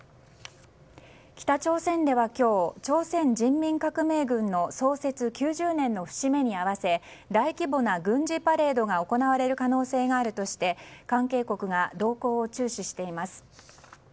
北朝鮮では今日朝鮮人民革命軍の創設９０年の節目に合わせ大規模な軍事パレードが行われる可能性があるとして関係国が動向を注視しています。